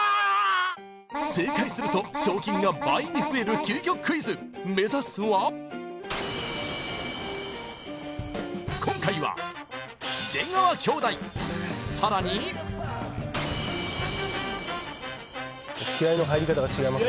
正解すると賞金が倍に増える究極クイズ目指すは今回はさらに気合いの入り方が違います